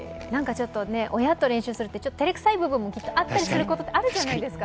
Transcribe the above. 親と練習するって照れくさい部分もあったりすることあるじゃないですか。